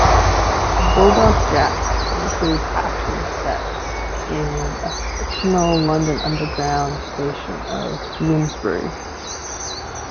"Bulldog Jack" includes action set in a fictional London Underground station of Bloomsbury.